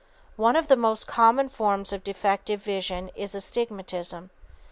One of the most common forms of defective vision is astigmatism.